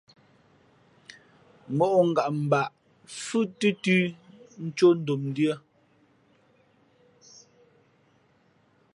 Mǒʼ ngam mbǎʼ fhʉ́ thʉ́ tʉ̄ ncō ndomndʉ̄ᾱ.